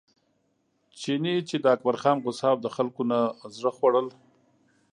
چیني چې د اکبرجان غوسه او د خلکو نه زړه خوړل.